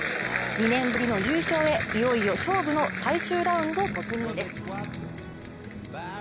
２年ぶりの優勝へ、いよいよ勝負の最終ラウンド突入です。